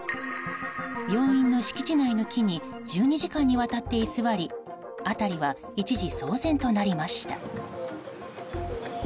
病院の敷地内の木に１２時間にわたって居座り辺りは一時騒然となりました。